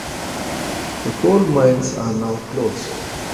The coal mines are now closed.